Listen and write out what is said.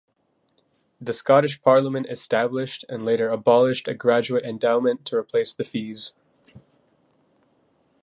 The Scottish Parliament established, and later abolished a graduate endowment to replace the fees.